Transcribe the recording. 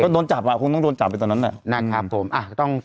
ก็โดนจับละคงต้องโดนจับไปตอนนั้นแน่นั่นครับผมอ่ะต้อง